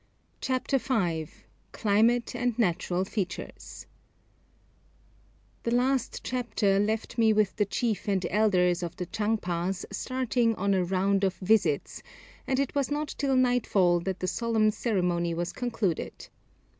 CHAPTER V CLIMATE AND NATURAL FEATURES The last chapter left me with the chief and elders of the Chang pas starting on 'a round of visits,' and it was not till nightfall that the solemn ceremony was concluded.